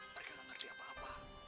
mereka gak ngerti apa apa